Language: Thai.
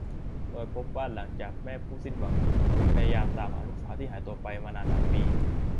โดยพบว่าหลังจากแม่ผู้สิ้นหวังพยายามตามหาลูกสาวที่หายตัวไปมานานหลายปี